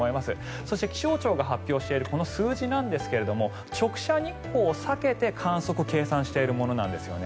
そして、気象庁が発表しているこの数字なんですが直射日光を避けて観測計算しているものなんですね。